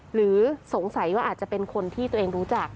หรือสงสัยว่าอาจจะเป็นคนที่ตัวเองรู้จัก